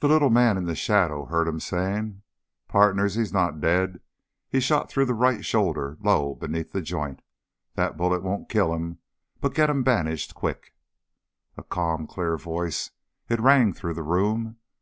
The little man in the shadow heard him saying, "Pardners, he's not dead. He's shot through the right shoulder, low, beneath the joint. That bullet won't kill him, but get him bandaged quick!" A calm, clear voice, it rang through the room.